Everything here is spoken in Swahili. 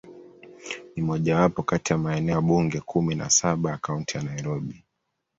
Ni mojawapo kati ya maeneo bunge kumi na saba ya Kaunti ya Nairobi.